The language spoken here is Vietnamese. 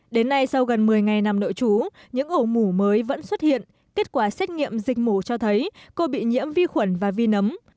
đến nay sau gần một mươi ngày nằm nội chú những ổ mũ mới vẫn xuất hiện kết quả xét nghiệm dịch mũ cho thấy cô bị nhiễm vi khuẩn và vi nấm